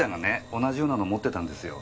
同じようなのを持ってたんですよ。